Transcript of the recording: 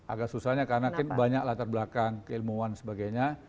agak susahnya karena banyak latar belakang keilmuan sebagainya